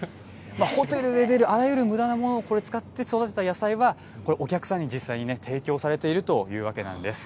ホテルで出るあらゆるむだなものを使って育てた際はお客さんに実際に提供されているというわけなんです。